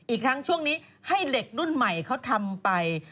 อีกทั้งช่วงนี้ให้เด็กรุ่นใหม่เขาทำไป